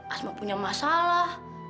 asmatnya punya masalah